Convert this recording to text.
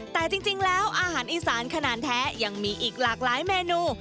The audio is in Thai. แต่จริงแล้วอาหารอีสานขนาดแท้ยังมีอีกหลากหลายเมนู